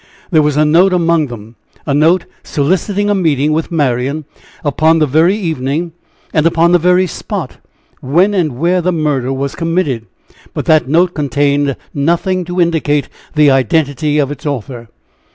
There was a note among them a note soliciting a meeting with Marian, upon the very evening, and upon the very spot when and where the murder was committed! But that note contains nothing to indicate the identity of its author.